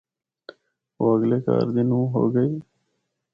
او اگلے گہرے دی نونھ ہو گئی۔